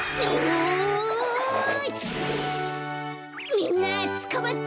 みんなつかまって！